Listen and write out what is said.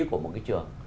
của một cái trường